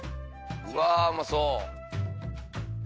うわぁうまそう！